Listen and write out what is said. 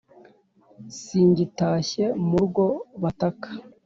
Singitashye mu rwo bataka